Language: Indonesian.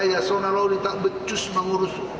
yasona lawli tak becus mengurus